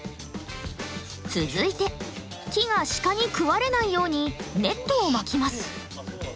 続いて木が鹿に食われないようにネットを巻きます。